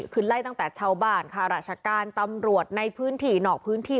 คือไล่ตั้งแต่ชาวบ้านค่ะราชการตำรวจในพื้นที่นอกพื้นที่